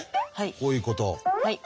こういうこと。